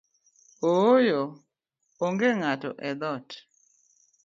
Ooyo, onge ng’ato edhoot